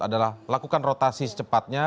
adalah lakukan rotasi secepatnya